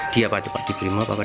di apa itu pak di primo apa pak